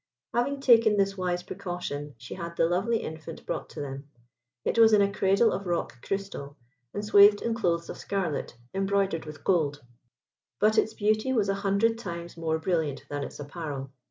Having taken this wise precaution, she had the lovely infant brought to them. It was in a cradle of rock crystal, and swathed in clothes of scarlet embroidered with gold; but its beauty was an hundred times more brilliant than its apparel.